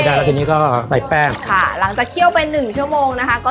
แล้วทีนี้ก็ใส่แป้งค่ะหลังจากเคี่ยวไปหนึ่งชั่วโมงนะคะก็